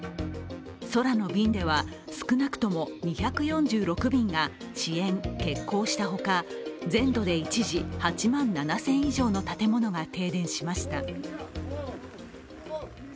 空の便では、少なくとも２４６便が遅延・欠航したほか、全土で一時８万７０００以上の建物が停電しました。